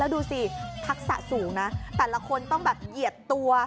ดูสิทักษะสูงนะแต่ละคนต้องแบบเหยียบตัว